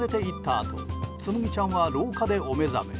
あとつむぎちゃんは廊下でお目覚め。